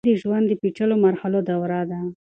ځوانۍ د ژوند د پېچلو مرحلو دوره ده.